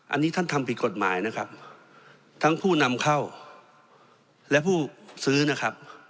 อันนี้ท่านทำผิดกฎหมายนะครับทั้งผู้นำเข้าและผู้ซื้อนะครับ